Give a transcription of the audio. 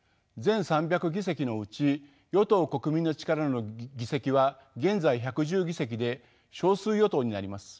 全３００議席のうち与党「国民の力」の議席は現在１１０議席で少数与党になります。